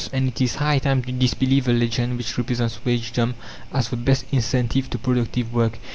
And it is high time to disbelieve the legend which represents wagedom as the best incentive to productive work.